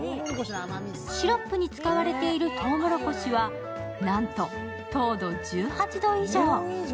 シロップに使われているとうもろこしは、なんと、糖度１８度以上。